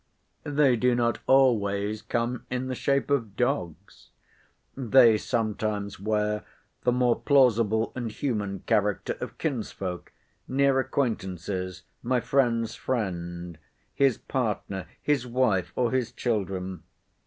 They do not always come in the shape of dogs; they sometimes wear the more plausible and human character of kinsfolk, near acquaintances, my friend's friend, his partner, his wife, or his children.